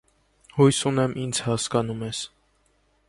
Հույս ունիմ, ինձ հասկանում ես…